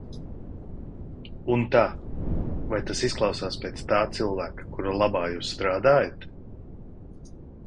Un tā, vai tas izklausās pēc tā cilvēka, kura labā jūs strādājat?